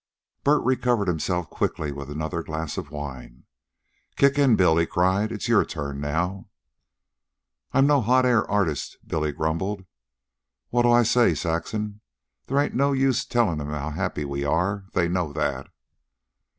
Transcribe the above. Bert recovered himself quickly with another glass of wine. "Kick in, Bill," he cried. "It's your turn now." "I'm no hotair artist," Billy grumbled. "What'll I say, Saxon? They ain't no use tellin' 'em how happy we are. They know that."